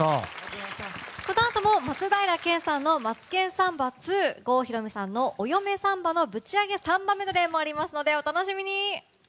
このあとも松平健さんの「マツケンサンバ２」郷ひろみさんの「お嫁サンバ」のぶちアゲサンバメドレーもありますのでお楽しみに！